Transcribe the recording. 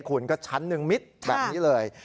แถวคุณก็ชั้น๑มิตรแบบนี้เลย